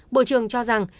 bộ trưởng cho rằng